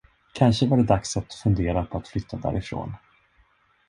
Kanske var det dags att fundera på att flytta därifrån.